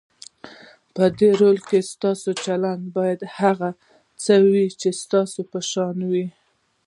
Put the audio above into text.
په رول کې ستاسو چلند باید هغه څه وي چې ستاسو په شان وي.